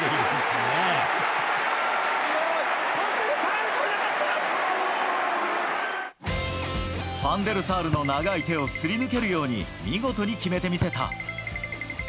ファン・デル・サールの長い手をすり抜けるように、見事に決めてみせた。